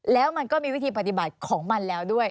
แล้วมันก็มีวิธีปฏิบัติของมันแล้วด้วย